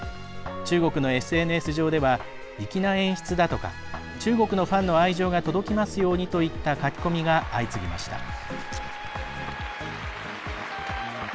中国のＳＮＳ上では「粋な演出だ」とか「中国のファンの愛情が届きますように」といった書き込みが相次ぎました。